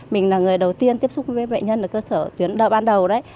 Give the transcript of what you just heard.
mình là người đầu tiên tiếp xúc với bệnh nhân ở cơ sở tuyến đợi ban đầu đấy